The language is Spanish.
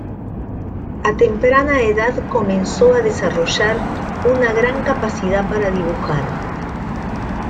A temprana edad comenzó a desarrollar una gran capacidad para dibujar.